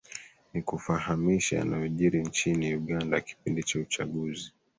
nikufahamishe yanayojiri nchini uganda kipindi cha uchaguzi